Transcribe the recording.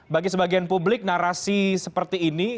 bagi sebagian publik narasi seperti ini